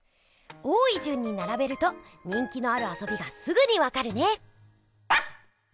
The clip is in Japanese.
多いじゅんにならべると人気のあるあそびがすぐにわかるね！